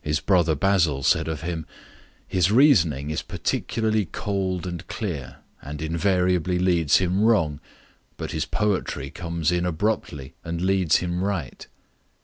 His brother Basil said of him: "His reasoning is particularly cold and clear, and invariably leads him wrong. But his poetry comes in abruptly and leads him right."